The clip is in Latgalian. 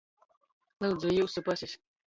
Lyudzu, jiusu pasis!